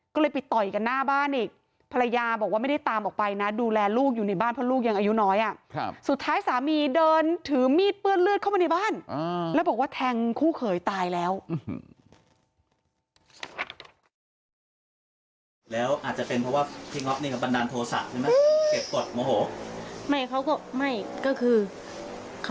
ก็เลยไปต่อยกันหน้าบ้านอีก